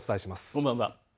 こんばんは。